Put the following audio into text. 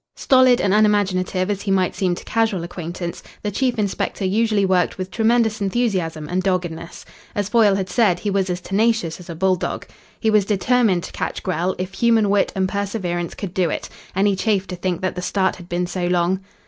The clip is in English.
Stolid and unimaginative as he might seem to casual acquaintance, the chief inspector usually worked with tremendous enthusiasm and doggedness. As Foyle had said, he was as tenacious as a bull dog. He was determined to catch Grell, if human wit and perseverance could do it. And he chafed to think that the start had been so long.